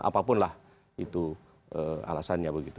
apapun lah itu alasannya begitu